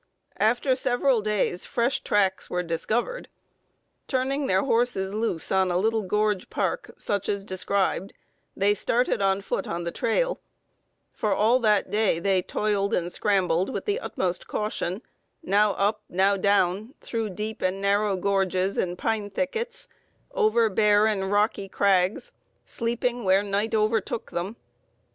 After several days fresh tracks were discovered. Turning their horses loose on a little gorge park, such as described, they started on foot on the trail; for all that day they toiled and scrambled with the utmost caution now up, now down, through deep and narrow gorges and pine thickets, over bare and rocky crags, sleeping where night overtook them.